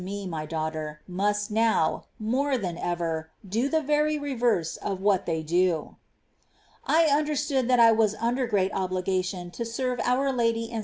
Me, My daughter, must now, more than ever, do the very reverse of what they do." I understood that I was under great obliga tions to serve our Lady and S.